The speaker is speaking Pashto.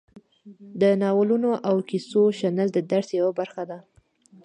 د نالونو او کیسو شنل د درس یوه برخه ده.